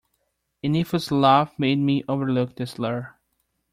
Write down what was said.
A nephew's love made me overlook the slur.